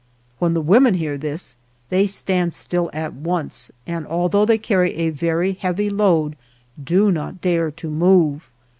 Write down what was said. When the women hear this they stand still at once, and al though they carry a very heavy load do not dare to move.